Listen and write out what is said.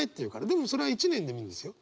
でもそれは１年でもいいんですよ。